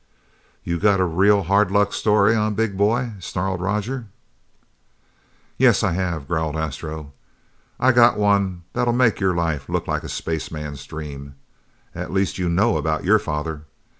"You got a real hard luck story, eh, big boy?" snarled Roger. "Yeah, I have!" growled Astro. "I got one that'll make your life look like a spaceman's dream. At least you know about your father.